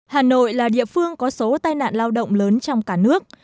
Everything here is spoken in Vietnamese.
hà nội là địa phương có số tai nạn lao động lớn trong cả nước